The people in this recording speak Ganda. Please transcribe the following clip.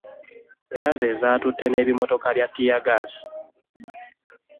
Era ze zaatutte n'ebimmotoka bya ttiyaggaasi.